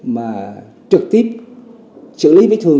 mà trực tiếp xử lý vết thương